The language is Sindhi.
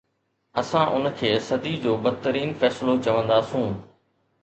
اسان ان کي صدي جو بدترين فيصلو چونداسون